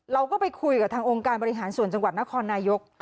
เราก็ไปคุยกับทางองค์การบริหารส่วนจังหวัดนครนายก